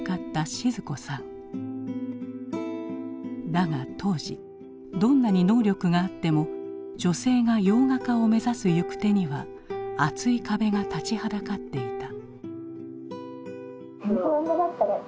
だが当時どんなに能力があっても女性が洋画家を目指す行く手には厚い壁が立ちはだかっていた。